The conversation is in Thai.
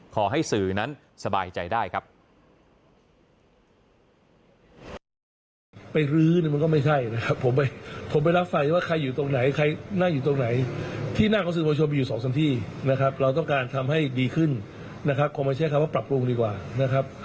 ขอให้สื่อนั้นสบายใจได้ครับ